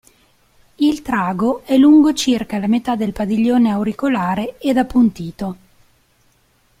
Il trago è lungo circa la metà del padiglione auricolare ed appuntito.